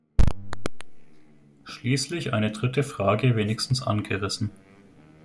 Schließlich eine dritte Frage, wenigstens angerissen.